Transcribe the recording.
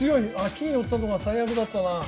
金寄ったのが最悪だったな。